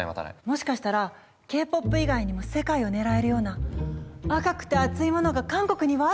もしかしたらＫ−ＰＯＰ以外にも世界を狙えるような赤くてアツいものが韓国にはあるかも。